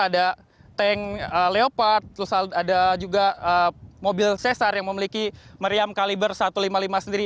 ada tank leopard ada juga mobil cesar yang memiliki meriam kaliber satu ratus lima puluh lima sendiri